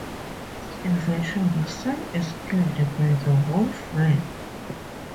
Eventually Sam is killed by the wolf man.